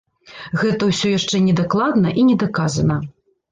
Гэта ўсё яшчэ не дакладна і не даказана.